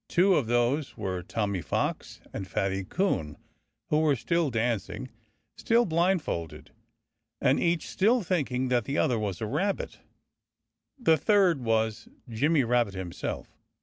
Two of those were Tommy Fox and Fatty Coon, who were still dancing, still blindfolded, and each still thinking that the other was a rabbit. The third was Jimmy Rabbit himself.